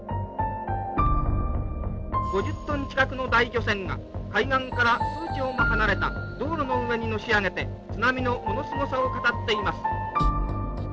「５０ｔ近くの大漁船が海岸から数町も離れた道路の上にのし上げて津波のものすごさを語っています」。